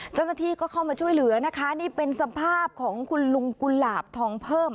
เจ้าหน้าที่ก็เข้ามาช่วยเหลือนะคะนี่เป็นสภาพของคุณลุงกุหลาบทองเพิ่ม